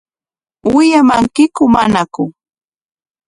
¿Wiyamankiku manaku?